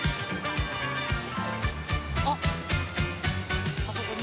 あっあそこに。